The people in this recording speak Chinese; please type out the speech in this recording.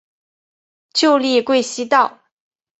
旧隶贵西道。